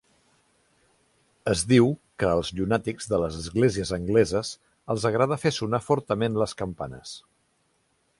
Es diu que als llunàtics de les esglésies angleses els agrada fer sonar fortament les campanes.